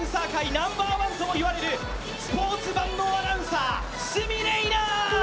ナンバーワンとも言われるスポーツ万能アナウンサー鷲見玲奈。